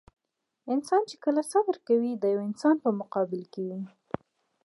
انسان چې کله صبر کوي د يوه انسان په مقابل کې وي.